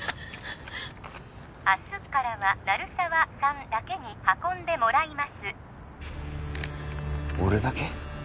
明日からは鳴沢さんだけに運んでもらいます俺だけ？